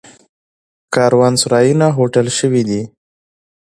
کاروانسرایونه هوټل شوي دي.